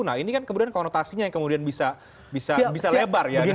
nah ini kan kemudian konotasinya yang bisa lebar